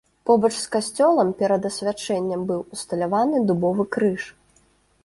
Побач з касцёлам перад асвячэннем быў усталяваны дубовы крыж.